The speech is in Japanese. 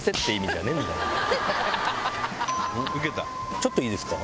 ちょっといいですか？